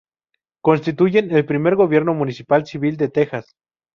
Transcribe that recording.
Constituyen el primer gobierno municipal civil de Texas.